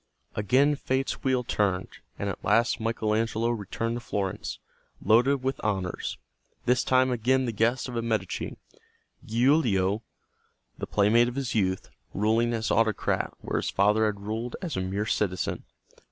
Again Fate's wheel turned, and at last Michael Angelo returned to Florence, loaded with honors, this time again the guest of a Medici, Giulio, the playmate of his youth, ruling as autocrat where his father had ruled as a mere citizen.